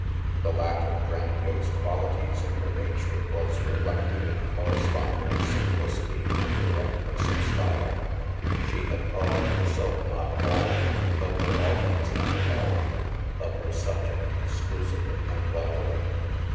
The lack of grandiose qualities in her nature was reflected in a corresponding simplicity and directness of style. She had thought of herself not at all, of her audi ence not at all, of her subject exclusively and vitally.